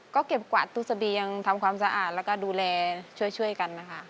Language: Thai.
ก็เก็บกวาดตู้เสบียงทำความสะอาดแล้วก็ดูแลช่วยกันนะคะ